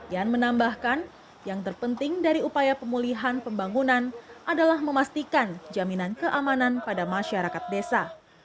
yan menambahkan yang terpenting dari upaya pemulihan pembangunan adalah memastikan jaminan keamanan pada masyarakat desa